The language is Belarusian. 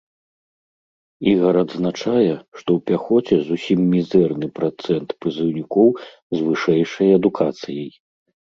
Ігар адзначае, што ў пяхоце зусім мізэрны працэнт прызыўнікоў з вышэйшай адукацыяй.